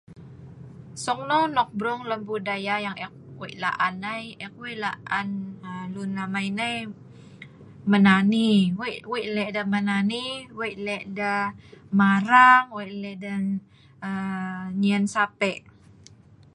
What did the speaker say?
Seungneu nok brung lem budaya yang ek wei' la'an nai ek wei' la'an lun amai nai menani, wei' wei leh' deh menani, wei' leh' deh marang, wei' leh' deh aaa nyen sape'.